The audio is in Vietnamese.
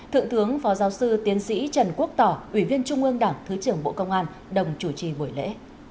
thượng tướng phó giáo sư tiến sĩ trần quốc tỏ ủy viên trung ương đảng thứ trưởng bộ công an đồng chủ trì buổi lễ